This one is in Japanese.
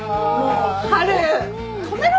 春！